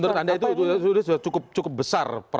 menurut anda itu sudah cukup besar